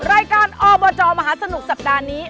รายการอบจมหาสนุกสัปดาห์นี้